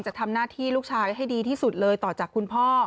จะทำหน้าที่ลูกชายให้ดีที่สุดเลยต่อจากคุณพ่อ